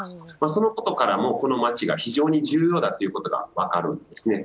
そのことからも、この街が非常に重要だということが分かるんですね。